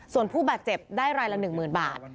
ส่วนผู้บาดเจ็บได้รายละ๑๐๐๐บาท